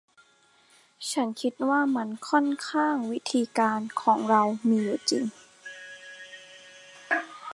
ฉันคิดว่ามันค่อนข้างวิธีการของเรามีอยู่จริง